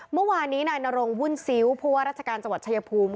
เมื่อวานนี้นายนรงวุ่นซิ้วผู้ว่าราชการจังหวัดชายภูมิ